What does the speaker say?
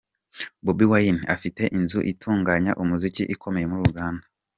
Bobi Wine: afite inzu itunganya umuziki ikomeye muri Uganda.